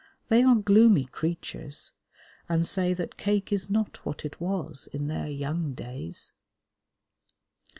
They are gloomy creatures, and say that cake is not what it was in their young days.